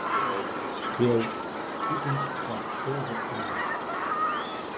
Skriuw: iten foar tolve euro.